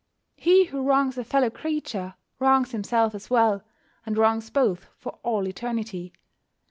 He who wrongs a fellow creature wrongs himself as well, and wrongs both for all eternity.